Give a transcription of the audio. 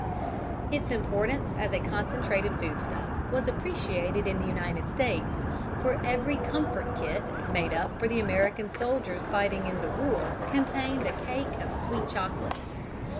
Its importance as a concentrated foodstuff was appreciated in the United States, for every "comfort kit" made up for the American soldiers fighting in the war contained a cake of sweet chocolate.